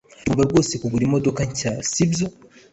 Tugomba rwose kugura imodoka nshya, si byo?